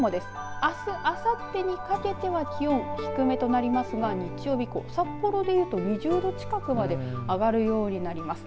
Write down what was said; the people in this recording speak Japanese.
あす、あさってにかけては気温、低めとなりますが日曜日以降札幌でいうと２０度近くまで上がるようになります。